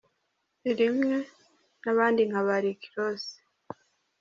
I n’abandi nka ba Rick Ross.